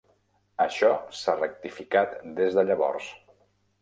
Això s'ha rectificat des de llavors.